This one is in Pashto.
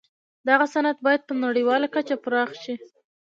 دغه صنعت بايد په نړيواله کچه پراخ شي.